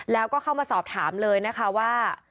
แล้วก็เข้ามาสอบถามเลยนะคะว่า